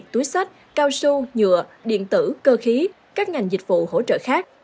túi sách cao su nhựa điện tử cơ khí các ngành dịch vụ hỗ trợ khác